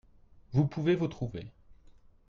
Vous pouvez vous trouver.